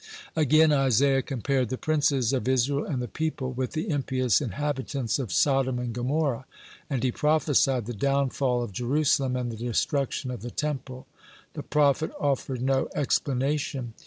Again, Isaiah compared the princes of Israel and the people with the impious inhabitants of Sodom and Gomorrah, and he prophesied the downfall of Jerusalem and the destruction of the Temple. (102) The prophet offered no explanation.